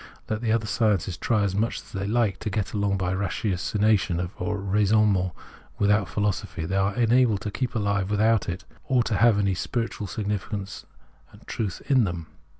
Let the other sciences try as much as they hke to get along by ratiocination or raisonnement without philosophy, they are unable to keep alive without it, or to have any spiritual significance and truth in them.